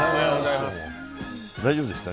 大丈夫でした？